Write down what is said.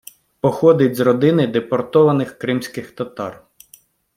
Походить з родини депортованих кримських татар.